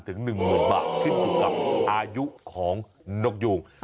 ขึ้นอยู่กับอายุของนกยูง